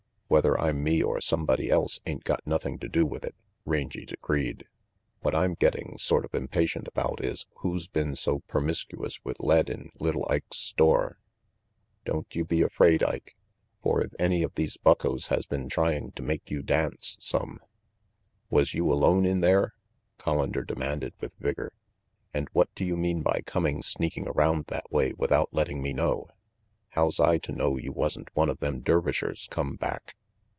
"Whether I'm me or somebody else ain't got nothing to do with it," Rangy decreed. "WTiat I'm getting sort of impatient about is who's been so permiskuous with lead in little Ike's store. Don't you be afraid, Ike, for if any of these buckos has been trying to make you dance some " "Was you alone in there?" Collander demanded with vigor. "And what do you mean by coming sneaking around that way without letting me know? How's I to know you wasn't one of them Dervishers come back?"